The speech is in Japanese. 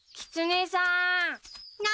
何？